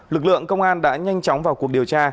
lực lượng công an đã nhanh chóng vào cuộc điều tra